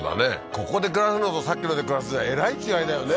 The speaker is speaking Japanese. ここで暮らすのとさっきので暮らすじゃえらい違いだよね？